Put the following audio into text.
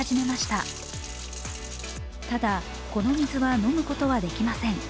ただ、この水は飲むことはできません。